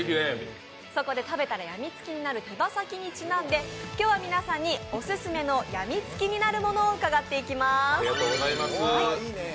そこで食べたらやみつきになる手羽先にちなんで今日は皆さんにオススメのやみつきになるものを伺っていきます。